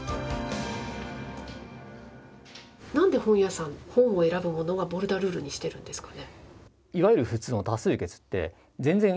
なんで本屋さん、本を選ぶものがボルダルールにしてるんですかね。